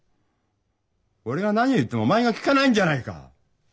俺が何を言ってもお前が聞かないんじゃないか。